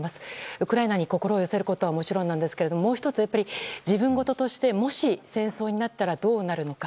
ウクライナに心を寄せることはもちろんですがもう１つ、自分事としてもし戦争になったらどうなるのか。